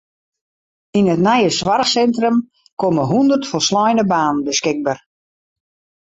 Yn it nije soarchsintrum komme hûndert folsleine banen beskikber.